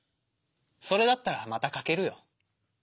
それだったらまた描けるよ。